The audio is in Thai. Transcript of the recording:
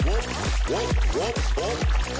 โว๊ปโว๊ปโว๊ปโว๊ป